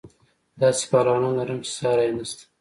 داسې پهلوانان لرم چې ساری یې نشته.